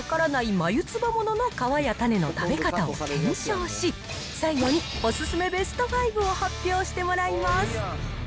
眉唾物の皮や種の食べ方を検証し、最後にお勧めベスト５を発表してもらいます。